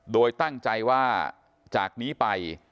โดยตั้งใจว่าจากนี้ไป